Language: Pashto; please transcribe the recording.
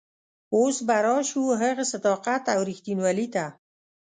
اوس به راشو هغه صداقت او رښتینولي ته.